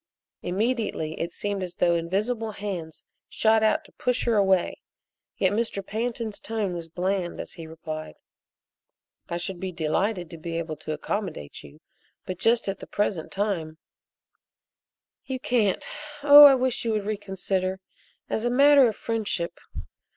Immediately it seemed as though invisible hands shot out to push her away, yet Mr. Pantin's tone was bland as he replied: "I should be delighted to be able to accommodate you, but just at the present time " "You can't? Oh, I wish you would reconsider as a matter of friendship.